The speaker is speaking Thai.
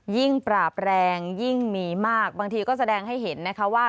ปราบแรงยิ่งมีมากบางทีก็แสดงให้เห็นนะคะว่า